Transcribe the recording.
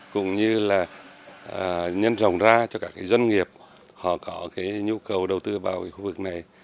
cũng như là nhân rồng ra cho các doanh nghiệp họ có cái nhu cầu đầu tư vào khu vực này